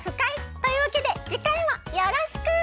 というわけでじかいもよろしく！